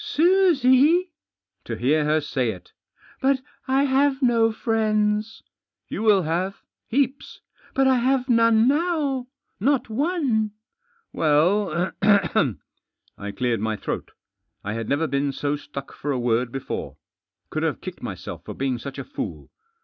"Susie?" To hear her say it 1 "But I have no friends." "You will have ; heaps." " But I have none now. Not one." "Well " Digitized by THE FATHER— AND HIS CHILD. 270 I cleared my throat. I had never been so stuck for a word before. Could have kicked myself for being such a fool.